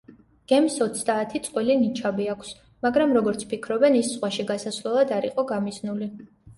გემს ოცდაათი წყვილი ნიჩაბი აქვს, მაგრამ, როგორც ფიქრობენ, ის ზღვაში გასასვლელად არ იყო გამიზნული.